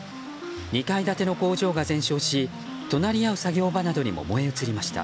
２階建ての工場が全焼し隣り合う作業場などにも燃え移りました。